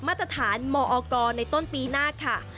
มาตรฐานมอกในต้นปีหน้าค่ะ